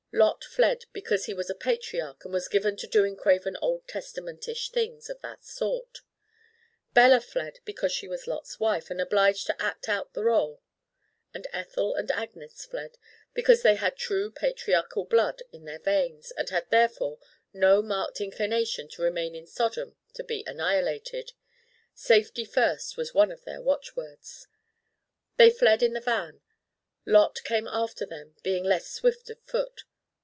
Lot fled because he was a patriarch and was given to doing craven Old Testamentish things of that sort: Bella fled because she was Lot's Wife and obliged to act out the rôle: and Ethel and Agnes fled because they had true patriarchal blood in their veins and had therefore no marked inclination to remain in Sodom to be annihilated 'safety first' was one of their watchwords. They fled in the van. Lot came after them, being less swift of foot.